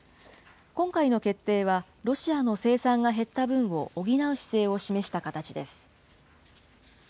今回の決定は、ロシアの生産が減った分を補う姿勢を示した形です。